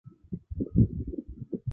陶望龄为南京礼部尚书陶承学之子。